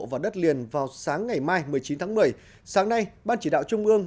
vào đất liền vào sáng ngày mai một mươi chín tháng một mươi sáng nay ban chỉ đạo trung ương